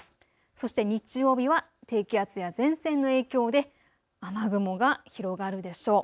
そして日曜日は低気圧や前線の影響で雨雲が広がるでしょう。